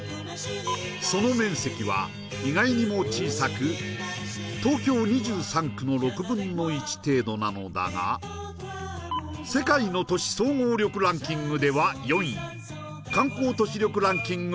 その面積は意外にも小さく東京２３区の６分の１程度なのだが世界の都市総合力ランキングでは４位観光都市力ランキング